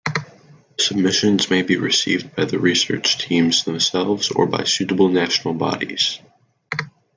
Submissions may be received by the research teams themselves or by suitable national bodies.